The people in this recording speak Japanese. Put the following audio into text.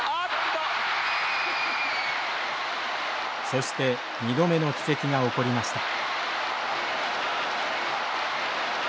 そして２度目の奇跡が起こりました。